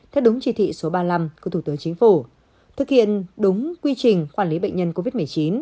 theo đúng chỉ thị số ba mươi năm của thủ tướng chính phủ thực hiện đúng quy trình quản lý bệnh nhân covid một mươi chín